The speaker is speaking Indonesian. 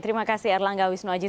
terima kasih erlangga wisnuaji